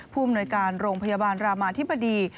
ภูมิหน่วยการโรงพยาบาลรามาธิบดี